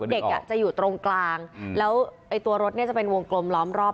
เด็กจะอยู่ตรงกลางแล้วไอ้ตัวรถเนี่ยจะเป็นวงกลมล้อมรอบ